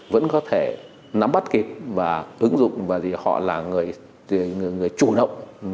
vẫn có thể nắm bắt kịp và ứng dụng và gì họ là người chủ động